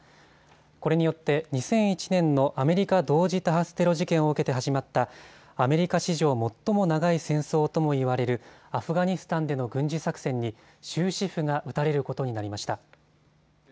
これによって２００１年のアメリカ同時多発テロ事件を受けて始まったアメリカ史上、最も長い戦争とも言われるアフガニスタンでの軍事作戦に終止符が打たれることになりました。